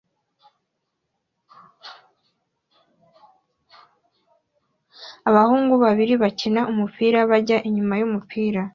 Abahungu babiri bakina umupira bajya inyuma yumupira